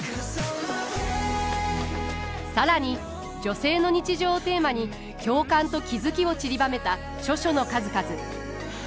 更に女性の日常をテーマに共感と気付きをちりばめた著書の数々。